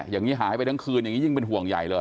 อย่างนี้หายไปทั้งคืนอย่างนี้ยิ่งเป็นห่วงใหญ่เลย